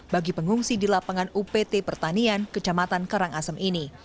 bagi pengungsi di lapangan upt pertanian kecamatan karangasem ini